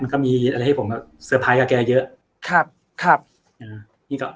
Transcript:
มันก็มีอะไรให้ผมแบบเซอร์ไพรส์กับแกเยอะครับอ่านี่ก็